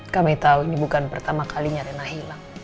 kami tahu ini bukan pertama kalinya rena hilang